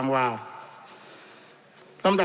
จำนวนเนื้อที่ดินทั้งหมด๑๒๒๐๐๐ไร่